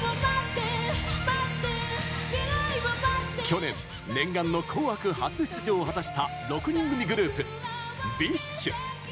去年、念願の「紅白」初出場を果たした６人組グループ、ＢｉＳＨ。